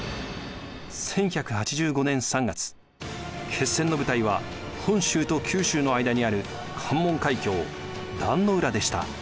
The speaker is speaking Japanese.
１１８５年３月決戦の舞台は本州と九州の間にある関門海峡壇の浦でした。